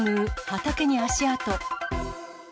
畑に足跡。